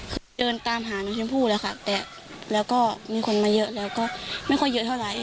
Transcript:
คือเดินตามหาน้องชมพู่แล้วค่ะแต่แล้วก็มีคนมาเยอะแล้วก็ไม่ค่อยเยอะเท่าไหร่